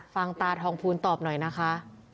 ฟังตาทองภูลตอบหน่อยนะคะ